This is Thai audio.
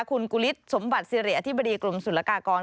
คุณกุฤษสมบัติสิริอธิบดีกรมศุลกากร